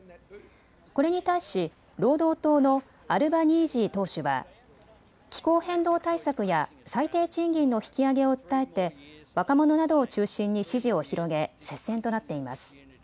これに対し労働党のアルバニージー党首は気候変動対策や最低賃金の引き上げを訴えて若者などを中心に支持を広げ接戦となっています。